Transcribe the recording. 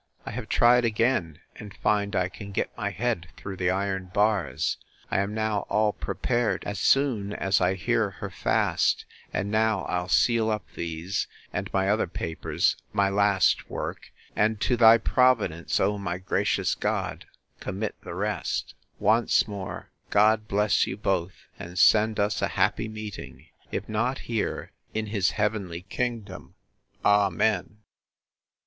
I have tried again, and find I can get my head through the iron bars. I am now all prepared, as soon as I hear her fast; and now I'll seal up these, and my other papers, my last work: and to thy providence, O my gracious God! commit the rest.—Once more, God bless you both! and send us a happy meeting; if not here, in his heavenly kingdom. Amen.